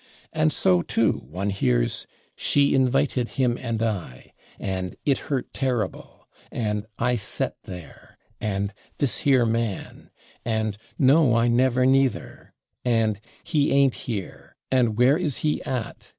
And so, too, one hears "she invited /him/ and /I/," and "it hurt /terrible/," and "I /set/ there," and "this /here/ man," and "no, I /never, neither/", and "he /ain't/ here," and "where is he /at